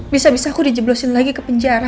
bisa bisa aku dijeblosin lagi ke penjara